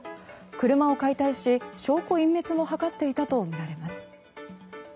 車を解体し、証拠隠滅も図っていたとみられます。